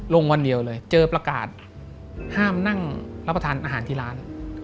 วันเดียวเลยเจอประกาศห้ามนั่งรับประทานอาหารที่ร้าน